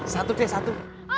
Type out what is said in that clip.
satu c satu